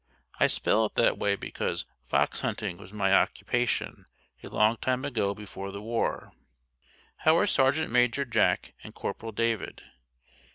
I spell it that way because fox hunting was my occupation a long time ago before the war. How are Sergt. Major Jack and Corporal David?